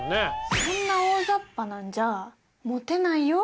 そんな大ざっぱなんじゃモテないよ？